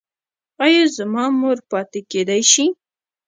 ایا زما مور پاتې کیدی شي؟